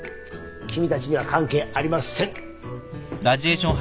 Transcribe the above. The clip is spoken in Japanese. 君たちには関係ありません。